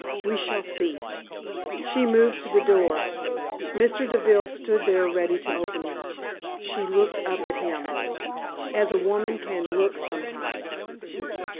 We shall see!" She moved to the door. Mr. Deville stood there ready to open it. She looked up at him as a woman can look sometimes.